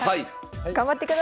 頑張ってください。